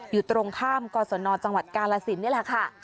อยู่ตรงข้ามก่อสนนอร์จังหวัดกาลสินค่ะ